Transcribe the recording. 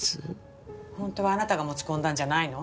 本当はあなたが持ち込んだんじゃないの？